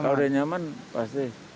kalau udah nyaman pasti